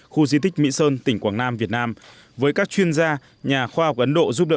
khu di tích mỹ sơn tỉnh quảng nam việt nam với các chuyên gia nhà khoa học ấn độ giúp đỡ